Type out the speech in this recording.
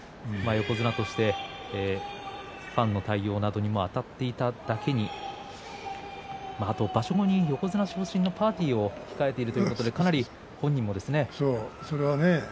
横綱としてファンの対応などにもあたっていただけに場所後に横綱昇進のパーティーを控えているということでかなり本人も。